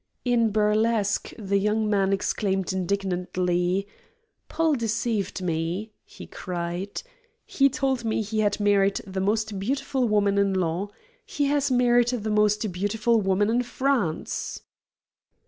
In burlesque the young man exclaimed indignantly: "Paul deceived me!" he cried. "He told me he had married the most beautiful woman in Laon. He has married the most beautiful woman in France!"